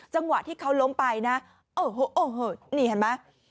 จังหวะที่เขาล้มไปนะโอ้โหนี่เห็นไหม